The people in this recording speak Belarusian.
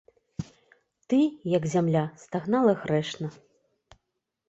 Ты, як зямля, стагнала грэшна.